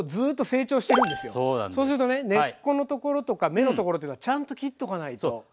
そうするとね根っこのところとか芽のところっていうのはちゃんと切っとかないと。